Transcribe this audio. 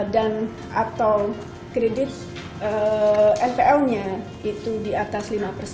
dan atau kredit npl nya itu di atas lima